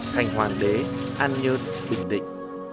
thành hoàng đế an nhơn bình định